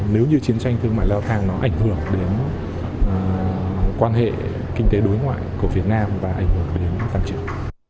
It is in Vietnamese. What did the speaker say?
nếu như chiến tranh thương mại leo thang nó ảnh hưởng đến quan hệ kinh tế đối ngoại của việt nam và ảnh hưởng đến tăng trưởng